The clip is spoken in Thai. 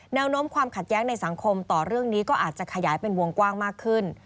แนวโน้มความขัดแย้งในสังคมต่อเรื่องนี้ก็อาจจะขยายเป็นวงกว้างมากขึ้น